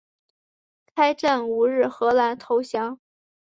开战五日荷兰投降。